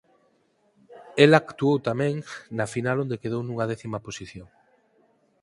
El actuou tamén na final onde quedou nunha décima posición.